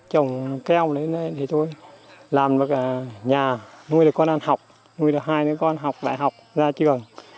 trồng keo thì thôi làm được nhà nuôi được con ăn học nuôi được hai đứa con học đại học ra trường